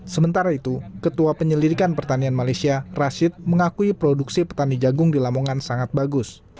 sementara itu ketua penyelidikan pertanian malaysia rashid mengakui produksi petani jagung di lamongan sangat bagus